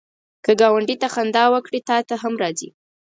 که ګاونډي ته خندا ورکړې، تا ته هم راځي